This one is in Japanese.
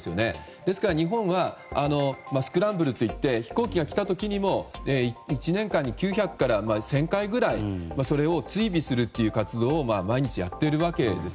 ですから日本はスクランブルといって飛行機が来た時にも、１年間に９００から１０００回くらいそれを追尾するという活動を毎日やっているわけです。